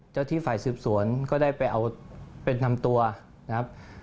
ที่ฝ่ายสืบสวนก็ได้ไปเอาเป็นนำตัวนะครับ